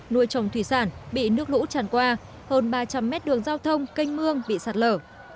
nuôi trồng thủy sản bị nước lũ tràn qua hơn ba trăm linh mét đường giao thông canh mương bị sạt lở